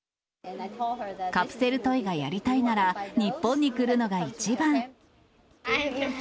カプセルトイがやりたいなら、日本に来るのが一番。